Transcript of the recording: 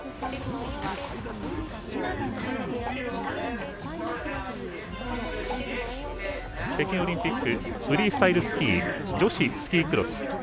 北京オリンピックフリースタイルスキー女子スキークロス。